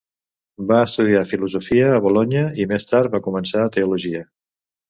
Va estudiar filosofia a Bolonya, i més tard va començar teologia.